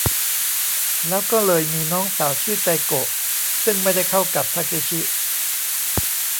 แล้วก็เลยมีน้องสาวชื่อไจโกะ ซึ่งไม่ได้เข้ากับทาเคชิ